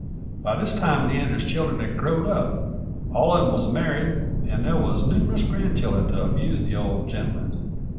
By this time Leander's children had growed up; all on 'em wuz marr'd, and there wuz numeris grandchildren to amuse the ol' gentleman.